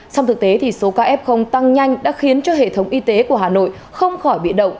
xong thực tế thì số ca f tăng nhanh đã khiến cho hệ thống y tế của hà nội không khỏi bị động